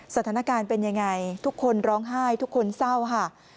สถานการณ์เป็นยังไงทุกคนร้องไห้ทุกคนเศร้าค่ะ